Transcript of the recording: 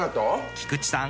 菊池さん